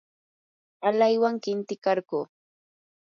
alaywan qintikarquu.